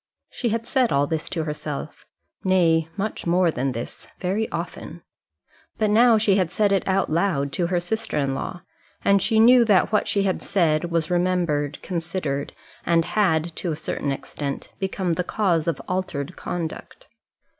She had said all this to herself, nay, much more than this very often. But now she had said it out loud to her sister in law; and she knew that what she had said was remembered, considered, and had, to a certain extent, become the cause of altered conduct.